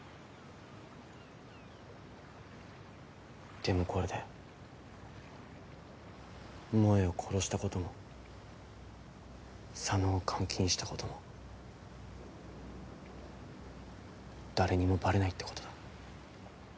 でもこれで萌を殺したことも佐野を監禁したことも誰にもバレないってことだ。